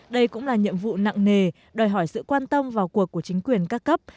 đây cũng là nhiệm vụ nặng nề đòi hỏi sự quan tâm vào cuộc của chính quyền các cấp